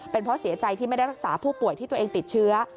เป็นเพราะเสียใจที่ไม่ได้รักษาผู้ป่วยที่ตัวเองติดเชื้อ